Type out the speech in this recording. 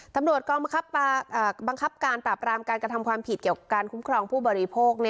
ตำรวจกองบังคับการปราบรามการกระทำความผิดเกี่ยวกับการคุ้มครองผู้บริโภค